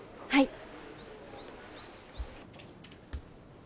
はい。